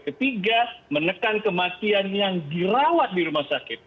ketiga menekan kematian yang dirawat di rumah sakit